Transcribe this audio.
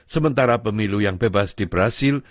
sementara pemilu yang bebas di brazil